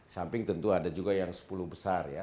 samping tentu ada juga yang sepuluh besar ya